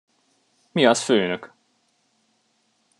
Mi az, főnök?